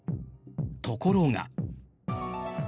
ところが。